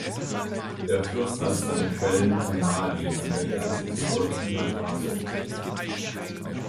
Der Fluss hat seine Quellen in Mali an der Grenze zu Burkina Faso.